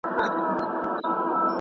ایا ته د زده کړې نوي فرصتونه لټوې؟